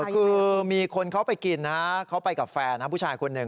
คือมีคนเขาไปกินนะเขาไปกับแฟนนะผู้ชายคนหนึ่ง